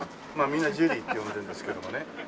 みんなジュリーって呼んでるんですけどもね。